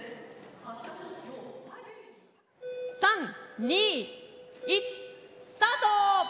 ３・２・１スタート！